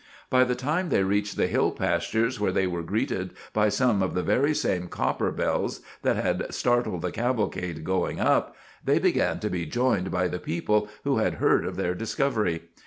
By the time they reached the hill pastures where they were greeted by some of the very same copper bells that had startled the cavalcade going up, they began to be joined by the people who had heard of their discovery.